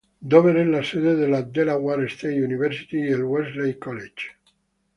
Dover es la sede de la "Delaware State University", y el "Wesley College".